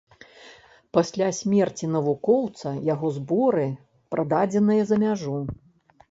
Пасля смерці навукоўца яго зборы прададзеныя за мяжу.